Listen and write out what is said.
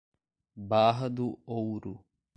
Barra do Ouro